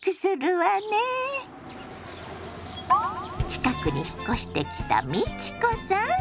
近くに引っ越してきた美智子さん？